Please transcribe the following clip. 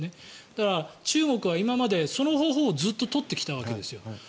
だから中国は今までその方法をずっと取ってきたわけです。